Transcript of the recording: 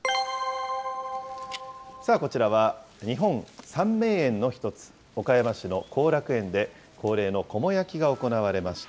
さあ、こちらは、日本三名園の一つ、岡山市の後楽園で、恒例のこも焼きが行われました。